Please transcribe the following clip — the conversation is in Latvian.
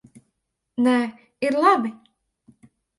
Nē, ir labi.